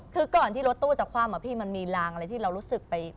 คือก่อนที่รถตู้จะคว่ำอะพี่มันมีรางอะไรที่เรารู้สึกไป